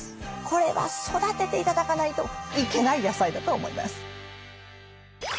これは育てて頂かないといけない野菜だと思います。